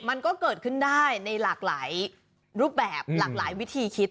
มันก็เกิดขึ้นได้ในหลากหลายรูปแบบหลากหลายวิธีคิด